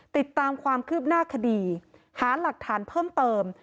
ติดตามความคืบหน้าคดีหาหลักฐานเพิ่มเติม